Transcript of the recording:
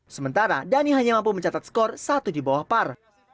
sementara dhani hanya mampu mencatat skor satu di bawah par